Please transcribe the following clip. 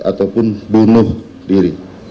ataupun bunuh diri